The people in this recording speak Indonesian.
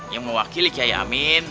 yang mewakili qiyai amin